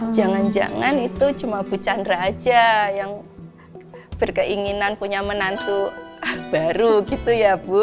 jangan jangan itu cuma bu chandra aja yang berkeinginan punya menantu baru gitu ya bu